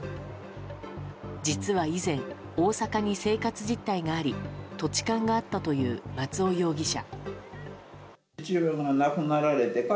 実は以前、大阪に生活実態があり土地勘があったという松尾容疑者。